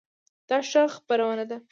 دا ښه خپرونه ده؟